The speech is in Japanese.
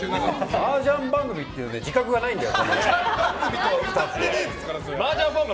マージャン番組っていう自覚がないんだよ、この番組。